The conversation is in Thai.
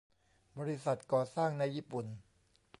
บริษัทก่อสร้างในญี่ปุ่น